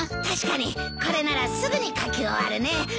確かにこれならすぐに描き終わるね